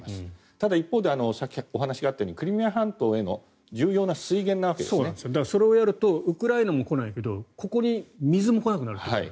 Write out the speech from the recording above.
ただ、一方でさっきお話があったようにクリミア半島へのそれをやるとウクライナも来ないけどここに水も来なくなると。